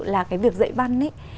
là cái việc dạy văn ấy